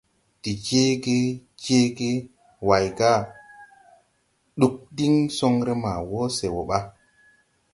De jeege, jeege Way: Ɗug diŋ soŋre ma wo se wo ɓa?